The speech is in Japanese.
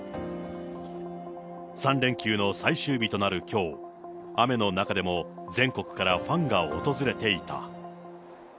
３連休の最終日となるきょう、雨の中でも全国からファンが訪れていた。